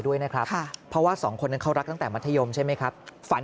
ด้วยนะครับเพราะว่าสองคนนั้นเขารักตั้งแต่มัธยมใช่ไหมครับฝัน